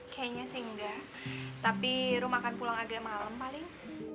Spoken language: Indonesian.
kayaknya sih enggak tapi rumah akan pulang agak malam paling